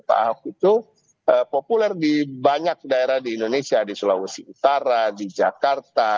pak ahok itu populer di banyak daerah di indonesia di sulawesi utara di jakarta